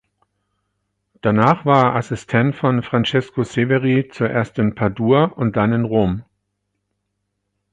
Danach war er Assistent von Francesco Severi zuerst in Padua und dann in Rom.